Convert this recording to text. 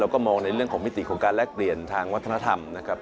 ก็มองในเรื่องของมิติของการแลกเปลี่ยนทางวัฒนธรรมนะครับ